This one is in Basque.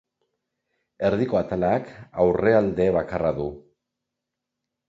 Erdiko atalak aurreealde bakarra du.